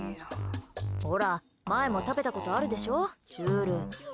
ほら、前も食べたことあるでしょちゅる。